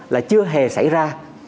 là chưa hề xảy ra